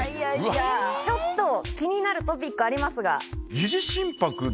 気になるトピックありますが。